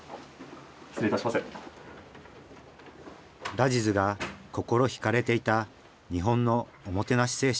ラジズが心惹かれていた日本のおもてなし精神。